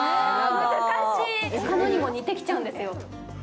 他のにも似てきちゃうんですよ。